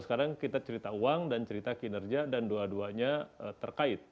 sekarang kita cerita uang dan cerita kinerja dan dua duanya terkait